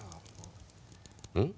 うん？